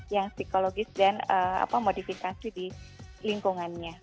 yang psikologis dan modifikasi di lingkungannya